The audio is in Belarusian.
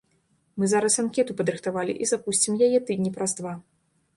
Мы зараз анкету падрыхтавалі і запусцім яе тыдні праз два.